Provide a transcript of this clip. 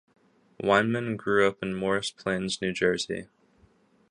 Weinman grew up in Morris Plains, New Jersey.